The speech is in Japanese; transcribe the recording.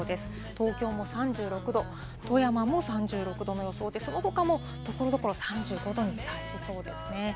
東京も３６度、富山も３６度の予想で、その他も所々３５度に達しそうですね。